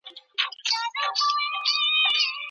که ښوونکی نوي میتودونه وکاروي نو درس په زړه پوري کیږي.